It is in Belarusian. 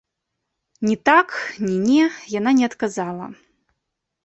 Ні так, ні не яна не адказала.